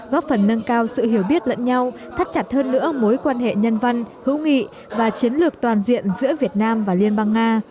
góp phần nâng cao sự hiểu biết lẫn nhau thắt chặt hơn nữa mối quan hệ nhân văn hữu nghị và chiến lược toàn diện giữa việt nam và liên bang nga